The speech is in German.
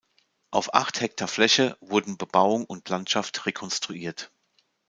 Auf acht Hektar Fläche wurden Bebauung und Landschaft rekonstruiert.